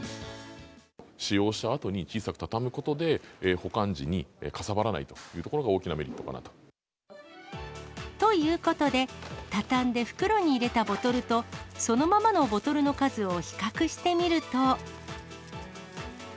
使用したあとに小さく畳むことで、保管時にかさばらないというところが、大きなメリットかなということで、畳んで袋に入れたボトルと、そのままのボトルの数を比較してみると。